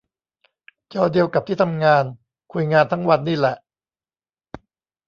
จอเดียวกับที่ทำงาน คุยงานทั้งวันนี่แหละ